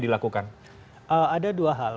dilakukan ada dua hal